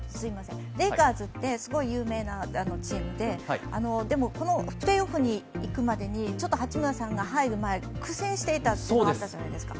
レイカーズってすごい有名なチームででもこのプレーオフに行くまでにちょっと八村さんが入る前、苦戦していたというのがあったじゃないですか。